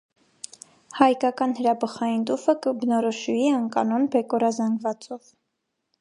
Հայկական հրաբխային տուֆը կը բնորոշուի անկանոն բեկորազանգուածով։